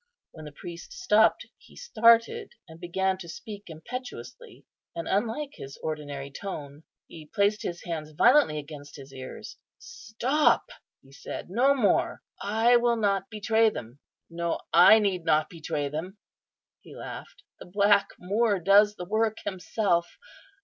When the priest stopped he started, and began to speak impetuously, and unlike his ordinary tone. He placed his hands violently against his ears. "Stop!" he said, "no more. I will not betray them; no: I need not betray them;" he laughed; "the black moor does the work himself.